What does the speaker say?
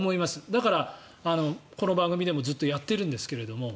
だから、この番組でもずっとやってるんですけど。